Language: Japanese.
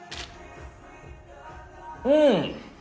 うん！